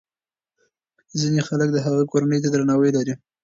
ځینې خلک د هغه کورنۍ ته درناوی لري.